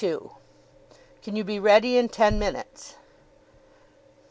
"CAN YOU BE READY IN TEN MINUTES?"